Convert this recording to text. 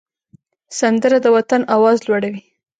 سندره د وطن آواز لوړوي